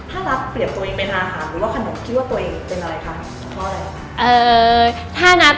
ถ้ารับเปรียบตัวเองเป็นอาหารหรือว่าขนมคิดว่าตัวเองเป็นอะไรคะเพราะอะไร